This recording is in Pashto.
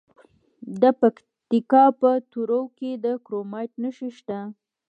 د پکتیکا په تروو کې د کرومایټ نښې شته.